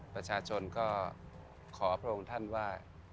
ประชาชนก็ขอพระองค์ท่านว่า